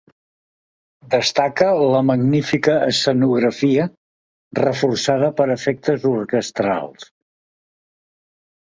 Destaca la magnífica escenografia, reforçada per efectes orquestrals.